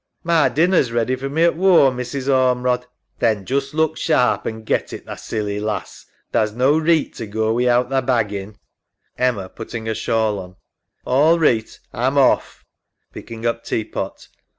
EMMA. My dinner's ready for me at whoam, Mrs. Ormerod. SARAH. Then just look sharp an' get it, tha silly lass. Tha's no reeght to go wi'out thy baggin'. EMMA (putting her shawl on). All reeght. A'm off. [Picking up tea pot.